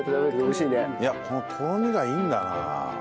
いやこのとろみがいいんだな。